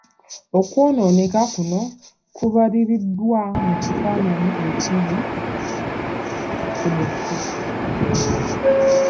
Okwonooneka kuno kubaliriddwa mu kifaananyi ekiri ku muko.